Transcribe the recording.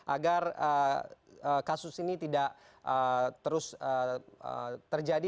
agar kasus ini tidak terus terjadi